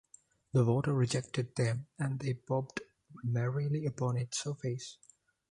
The water rejected them and they bobbed merrily upon its surface.